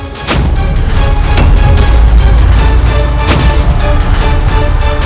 sudah melihat sendiri